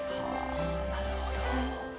なるほど。